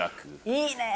いいねぇ。